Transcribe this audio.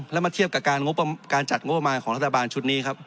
แล้วมาเทียบกับการจัดงบประมาณของรัฐบาลชุดนี้ครับ